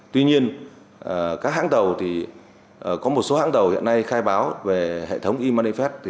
tuy nhiên có một số hãng tàu hiện nay khai báo về hệ thống e manifest